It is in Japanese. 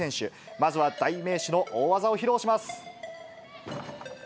まずは代名詞の大技を披露します。